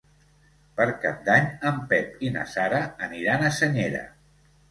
Per Cap d'Any en Pep i na Sara aniran a Senyera.